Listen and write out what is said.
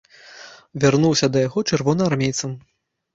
Вярнуўся да яго чырвонаармейцам.